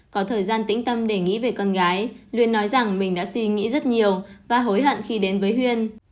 có thời gian tĩnh tâm để nghĩ về con gái luôn nói rằng mình đã suy nghĩ rất nhiều và hối hận khi đến với huyên